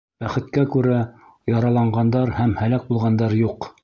Бәхеткә күрә, яраланғандар һәм һәләк булғандар юҡ.